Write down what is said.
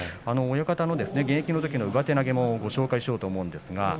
親方の現役のときの上手投げをご紹介しようと思います。